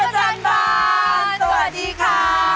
สวัสดีค่ะ